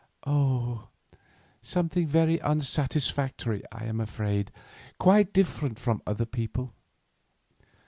"Oh, something very unsatisfactory, I am afraid, quite different from other people.